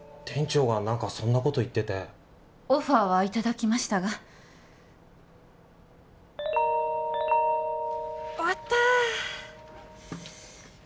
店長が何かそんなこと言っててオファーはいただきましたが終わった！